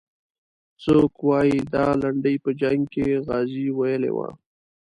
څوک وایي دا لنډۍ په جنګ کې غازي ویلې وه.